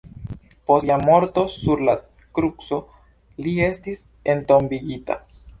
Post lia morto sur la kruco, li estis entombigita.